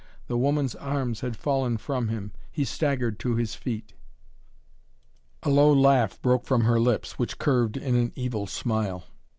The woman's arms had fallen from him. He staggered to his feet. A low laugh broke from her lips, which curved in an evil smile.